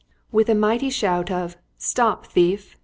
With a mighty shout of "Stop thief!"